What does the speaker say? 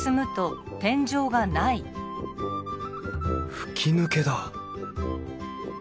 吹き抜けだ